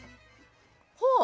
ほう。